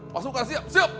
masukkan siap siap